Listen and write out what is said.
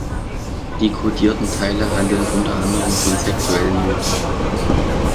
Die kodierten Teile handeln unter anderem von sexuellen Nöten.